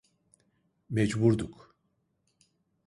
Mecburduk.